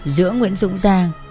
giữa nguyễn dũng giang